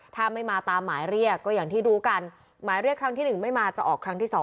ถ้าไม่มาตามหมายเรียกก็อย่างที่รู้กันหมายเรียกครั้งที่๑ไม่มาจะออกครั้งที่๒